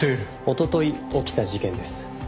おととい起きた事件です。